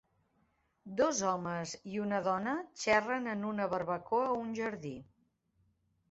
Dos homes i una dona xerren en una barbacoa a un jardí.